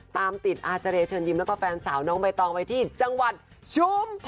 ตามติดอาเจรเชิญยิ้มแล้วก็แฟนสาวน้องใบตองไปที่จังหวัดชุมพร